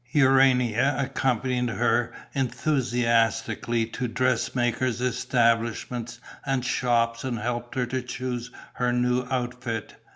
Urania accompanied her enthusiastically to dressmakers' establishments and shops and helped her to choose her new outfit.